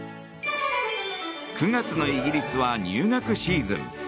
９月のイギリスは入学シーズン。